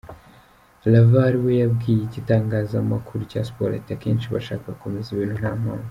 LaVar we yabwiye igitangazamakuru cya siporo ati “Akenshi bashaka gukomeza ibintu nta mpamvu.